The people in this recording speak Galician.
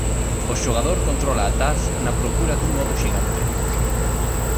O xogador controla a Taz na procura dun ovo xigante.